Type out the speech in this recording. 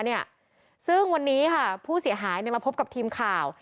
เนี่ยซึ่งวันนี้ค่ะผู้เสียหายเนี่ยมาพบกับทีมข่าว